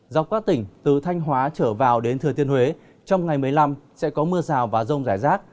do quát tỉnh từ thanh hóa trở vào đến thừa tiên huế trong ngày một mươi năm sẽ có mưa rào và rông rải rác